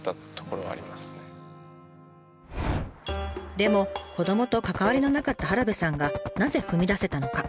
でも子どもと関わりのなかった原部さんがなぜ踏み出せたのか。